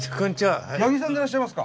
八木さんでいらっしゃいますか？